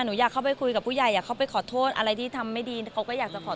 หนูอยากเข้าไปคุยกับผู้ใหญ่อยากเข้าไปขอโทษอะไรที่ทำไม่ดีเขาก็อยากจะขอ